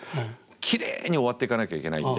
きれいに終わっていかなきゃいけないんで。